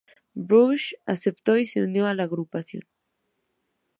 Bush aceptó y se unió a la agrupación.